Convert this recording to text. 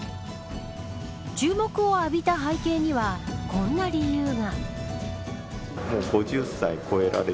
注目を浴びた背景にはこんな理由が。